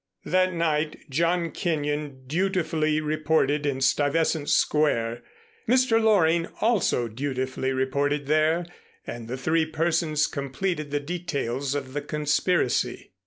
That night John Kenyon dutifully reported in Stuyvesant Square. Mr. Loring also dutifully reported there, and the three persons completed the details of the conspiracy.